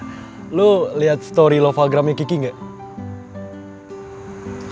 ger lo liat story lovagramnya kiki gak